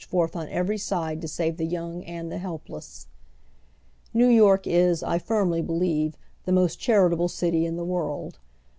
193 forth on every side to save the young and the lielplees. New York is, I firmly believe, the most charitable city in the world.